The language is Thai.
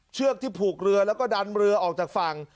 เชือกที่ผูกเรือแล้วก็ดันเรือออกจากฝั่ง